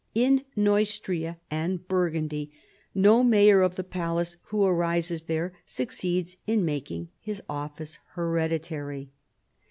In Neustria and Burgund}'^ no mayor of the palace who arises there succeeds in making his office hereditary.